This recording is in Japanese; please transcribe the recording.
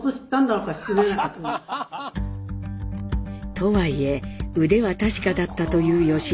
とはいえ腕は確かだったという吉春。